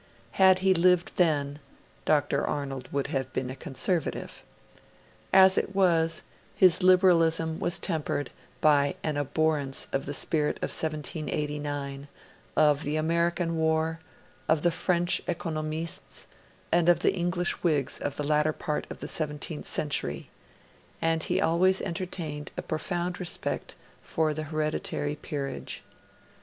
Had he lived then, Dr. Arnold would have been a Conservative. As it was, his Liberalism was tempered by an 'abhorrence of the spirit of 1789, of the American War, of the French Economistes, and of the English Whigs of the latter part of the seventeenth century'; and he always entertained a profound respect for the hereditary peerage.